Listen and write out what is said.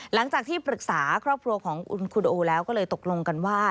หลังจากที่ปรึกษาครอบครัวของคุณโอแล้วก็เลยตกลงกันว่า